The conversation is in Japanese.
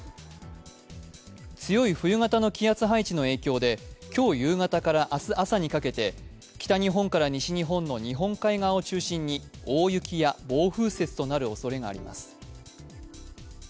強い冬型の気圧配置の影響で今日夕方から明日朝にかけて北日本から西日本の日本海側を中心に大雪や暴風雪となるおそれがあります。